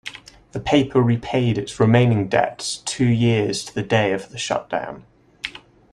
The paper repaid its remaining debts two years to the day of the shutdown.